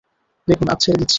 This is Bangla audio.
দেখুন, আজ ছেড়ে দিচ্ছি।